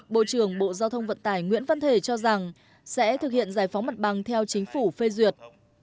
bộ trưởng bộ giao thông vận tải nguyễn văn thể cho rằng sẽ thực hiện giải phóng mặt bằng theo chính phủ phê duyệt